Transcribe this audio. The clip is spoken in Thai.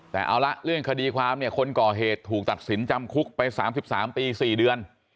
แต่เอาละเรื่องคดีความเนี่ยคนก่อเหตุถูกตัดสินจำคุกไป๓๓ปี๔เดือน